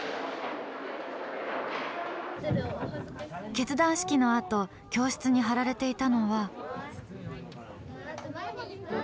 結団式のあと教室に貼られていたのは。